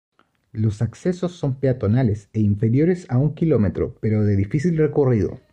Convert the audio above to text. Los accesos son peatonales e inferiores a un km pero de difícil recorrido.